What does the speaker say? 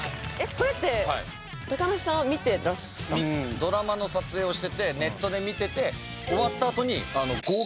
これってドラマの撮影をしててネットで観ててやだ